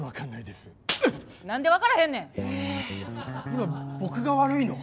今僕が悪いの？